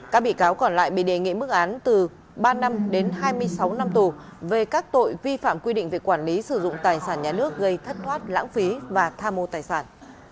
các bị cáo còn lại bị đề nghị mức án từ ba năm đến hai mươi sáu năm tù về các tội vi phạm quy định về quản lý sử dụng tài sản nhà nước gây thất thoát lãng phí và tha mô tài sản